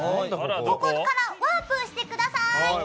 ここからワープしてください。